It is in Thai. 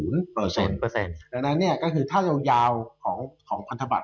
แล้วนั้นก็คือถ้าเดียวยาวของพันธบัตร